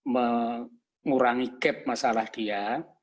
mengurangi gap masalah dia